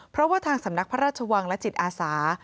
เพราะว่าทางสำนักพระราชวังและจิตอาสา